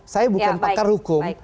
saya bukan pakar hukum